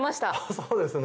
そうですね